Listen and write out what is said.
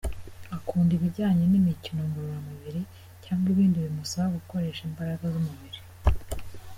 Akunda ibijyanye n’imikino ngororamubiri cyangwa ibindi bimusaba gukoresha imbaraga z’umubiri.